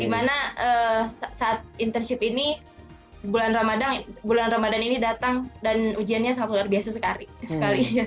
dimana saat intership ini bulan ramadan ini datang dan ujiannya sangat luar biasa sekali